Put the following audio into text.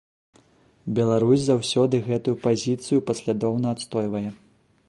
Беларусь заўсёды гэтую пазіцыю паслядоўна адстойвае.